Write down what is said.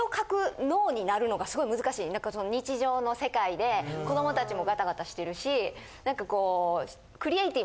何かその日常の世界で子供達もガタガタしてるし何かこう。